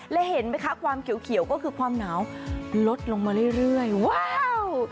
และเห็นไหมคะความเขียวก็คือความหนาวลดลงมาเรื่อยว้าว